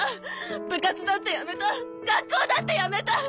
部活だってやめた学校だってやめた！